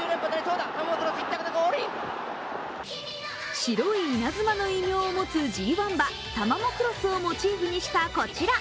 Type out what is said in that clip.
白い稲妻の異名を持つＧⅠ馬、タマモクロスをモチーフにしたこちら。